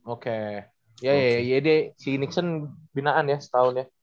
oke ya ya ya deh si nixon binaan ya setahunnya